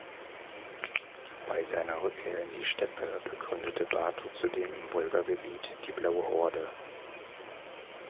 Bei seiner Rückkehr in die Steppe begründete Batu zudem im Wolgagebiet die Blaue Horde.